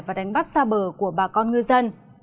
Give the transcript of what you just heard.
và đánh bắt xa bờ của bà con ngư dân